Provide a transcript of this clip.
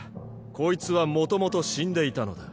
こいつはもともと死んでいたのだ。